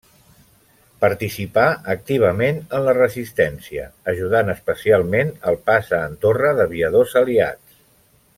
Participà activament en la resistència, ajudant especialment el pas a Andorra d'aviadors aliats.